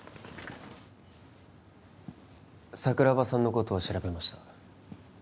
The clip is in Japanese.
桜庭さんのことを調べました